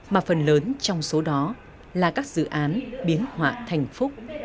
mà phần lớn trong số đó là các dự án biến họa thành phúc